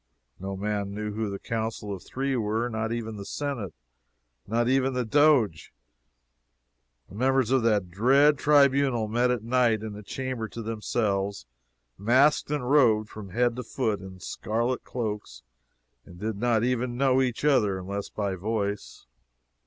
No man knew who the Council of Three were not even the Senate, not even the Doge; the members of that dread tribunal met at night in a chamber to themselves, masked, and robed from head to foot in scarlet cloaks, and did not even know each other, unless by voice.